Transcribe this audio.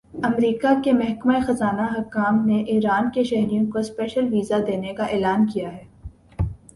امریکا کے محکمہ خزانہ حکام نے ایران کے شہریوں کو سپیشل ویزا دینے کا اعلان کیا ہے